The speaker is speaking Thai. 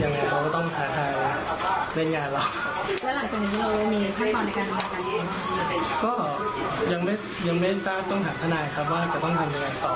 ก็ต้องถามธนายครับว่าจะต้องทำยังไงต่อ